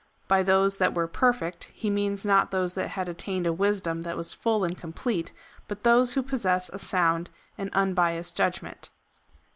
By those that were perfect, he means not those that had attained a wisdom that was full and complete, but those who possess a sound and unbiassed judgment.